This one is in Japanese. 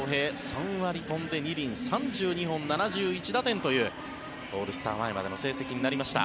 ３割飛んで２厘３２本、７１打点というオールスター前までの成績になりました。